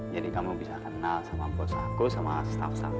jadi kamu bisa kenal sama bos aku sama staff staff ya